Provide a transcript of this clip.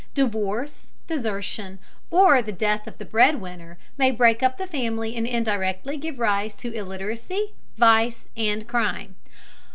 Divorce, desertion, or the death of the bread winner may break up the family and indirectly give rise to illiteracy, vice, and crime.